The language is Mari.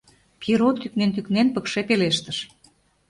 Пьеро тӱкнен-тӱкнен пыкше пелештыш: